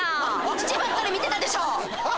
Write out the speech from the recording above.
乳ばっかり見てたでしょ？